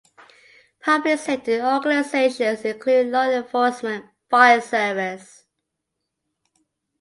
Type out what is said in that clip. Public safety organizations include Law Enforcement, Fire Service.